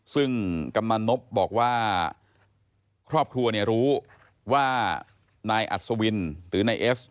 ซึ่งกำนันนพบอกว่าครอบครัวเนี่ยรู้ว่านายอัศวินหรือนายเอส